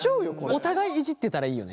お互いいじってたらいいよね。